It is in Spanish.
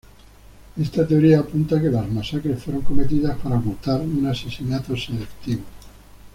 Esta teoría apunta a que las masacres fueron cometidas para ocultar un asesinato selectivo.